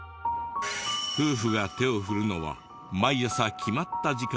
夫婦が手を振るのは毎朝決まった時間のこの列車だけ。